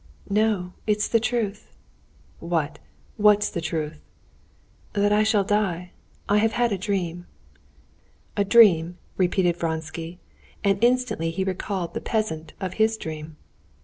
"No, it's the truth." "What, what's the truth?" "That I shall die. I have had a dream." "A dream?" repeated Vronsky, and instantly he recalled the peasant of his dream.